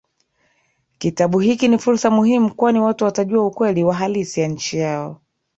Kitabu hiki ni fursa muhimu kwani watu watajua ukweli wa halisi ya nchi yao